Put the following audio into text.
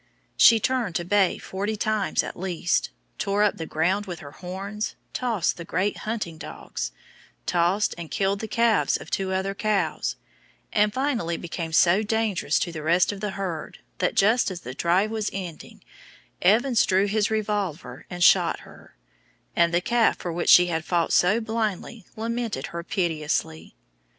She turned to bay forty times at least; tore up the ground with her horns, tossed and killed the calves of two other cows, and finally became so dangerous to the rest of the herd that, just as the drive was ending, Evans drew his revolver and shot her, and the calf for which she had fought so blindly lamented her piteously.